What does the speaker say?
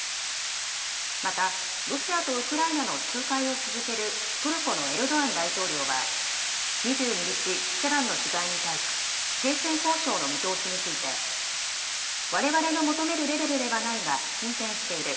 また、ロシアとウクライナの仲介を続けるトルコのエルドアン大統領は、２２日、記者団の取材に対し、停戦交渉の見通しについて、われわれの求めるレベルではないが進展している。